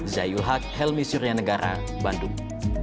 zayul haq helmi suryanegara bandung